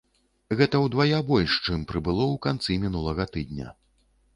Гэта ўдвая больш, чым прыбыло ў канцы мінулага тыдня.